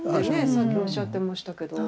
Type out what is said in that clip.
さっきおっしゃってましたけど。